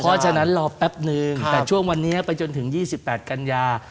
เพราะฉะนั้นรอแป๊บนึงแต่ช่วงวันนี้ไปจนถึง๒๘กันยา